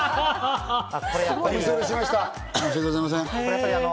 申しわけございません。